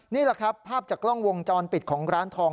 นี่แหละครับภาพจากกล้องวงจรปิดของร้านทอง